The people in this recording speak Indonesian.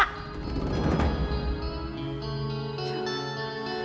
punya anak keras kepala